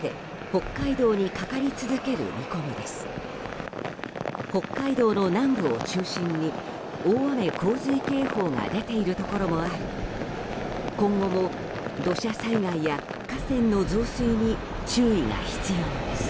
北海道の南部を中心に大雨・洪水警報が出ているところもあり今後も土砂災害や河川の増水に注意が必要です。